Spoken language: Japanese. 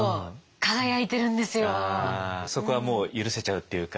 そこはもう許せちゃうっていうか。